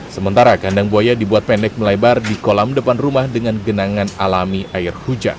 sementara kandang buaya dibuat pendek melebar di kolam depan rumah dengan genangan alami air hujan